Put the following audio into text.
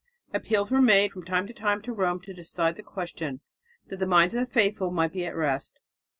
Appeals were made from time to time to Rome to decide the question, that the minds of the faithful might be at rest.